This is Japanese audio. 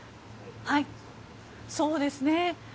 はい、そうですね。